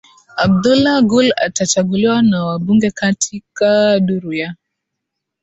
Abdullah Gul atachaguliwa na wabunge katika duru ya